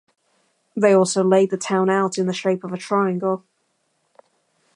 They also laid the town out in the shape of a triangle.